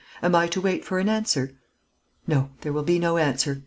Am I to wait for an answer?" "No; there will be no answer.